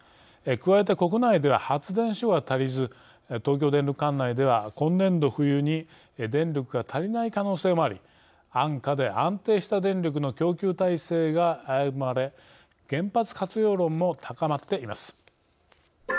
加えて国内では発電所が足りず東京電力管内では、今年度冬に電力が足りない可能性もあり安価で安定した電力の供給体制が危ぶまれ原発活用論も高まっています。